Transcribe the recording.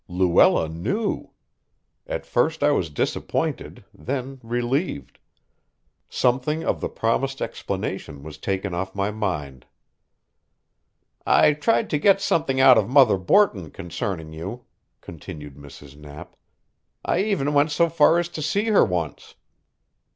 Luella knew! At first I was disappointed, then relieved. Something of the promised explanation was taken off my mind. "I tried to get something out of Mother Borton concerning you," continued Mrs. Knapp. "I even went so far as to see her once."